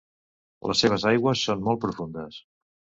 Les seves aigües són molt profundes.